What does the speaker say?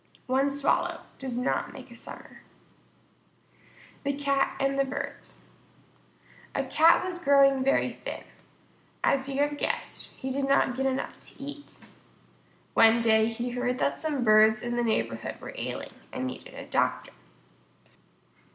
One swallow does not make a summer. THE CAT AND THE BIRDS A Cat was growing very thin. As you have guessed, he did not get enough to eat. One day he heard that some Birds in the neighborhood were ailing and needed a doctor.